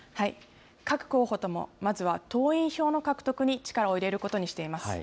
各候補ともまずは党員票の獲得に力を入れることにしています。